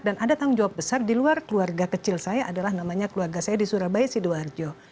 dan ada tanggung jawab besar di luar keluarga kecil saya adalah namanya keluarga saya di surabaya sidoarjo